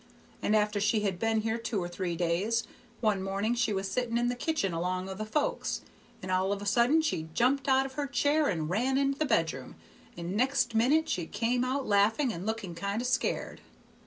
And after she had been there two or three days, one morning she was sitting in the kitchen 'long o' the folks, and all of a sudden she jumped out of her chair and ran into the bedroom, and next minute she come out laughing, and looking kind of scared.